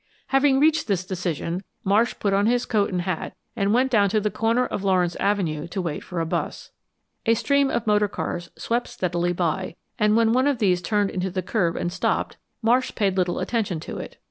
Having reached this decision Marsh put on his coat and hat and went down to the corner of Lawrence Avenue to wait for a bus. A stream of motor cars swept steadily by and when one of these turned into the curb and stopped, Marsh paid little attention to it.